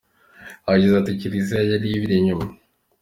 Yagize ati “Kiliziya yari ibiri inyuma.